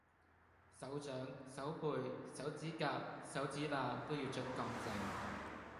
手掌、手背、手指甲、手指罅都要捽乾淨